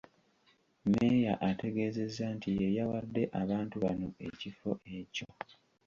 Mmeeya ategeezezza nti ye yawadde abantu bano ekifo ekyo.